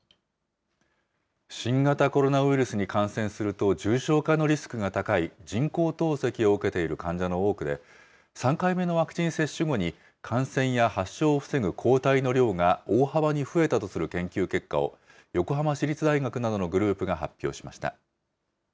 新型コロナウイルスに感染すると重症化のリスクが高い人工透析を受けている患者の多くで、３回目のワクチン接種後に、感染や発症を防ぐ抗体の量が大幅に増えたとする研究結果を、横浜市立大学などのグループが発表しました。